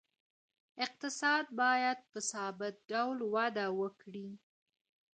اقتصاد باید په ثابت ډول وده وکړي.